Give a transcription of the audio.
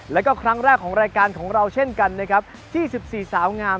แล้วก็ครั้งแรกของรายการของเราเช่นกันนะครับ๒๔สาวงาม